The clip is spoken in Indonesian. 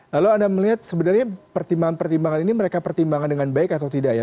lalu anda melihat sebenarnya pertimbangan pertimbangan ini mereka pertimbangkan dengan baik atau tidak ya